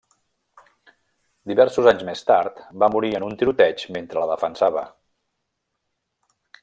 Diversos anys més tard, va morir en un tiroteig mentre la defensava.